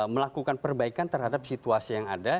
melakukan perbaikan terhadap situasi yang ada